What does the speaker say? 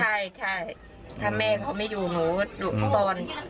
ใช่ถ้าแม่เขาไม่อยู่หนูก่อน